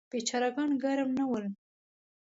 بیچاره ګان ګرم نه ول.